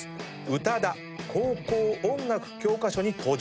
「宇多田高校音楽教科書に登場‼」と。